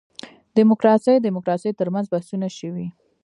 دیموکراسي دیموکراسي تر منځ بحثونه شوي.